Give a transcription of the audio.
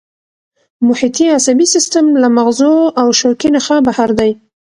محیطي عصبي سیستم له مغزو او شوکي نخاع بهر دی